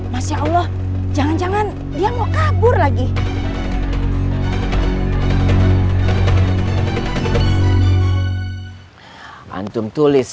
masya allah jangan jangan dia mau kabur lagi